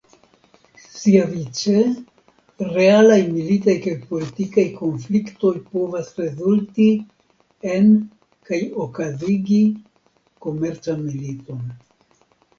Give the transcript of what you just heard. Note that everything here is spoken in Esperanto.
Siavice realaj militaj kaj politikaj konfliktoj povas rezulti en kaj okazigi komercan militon.